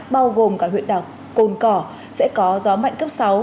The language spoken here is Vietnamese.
bao gồm cả huyện đảo cồn cỏ sẽ có gió mạnh cấp sáu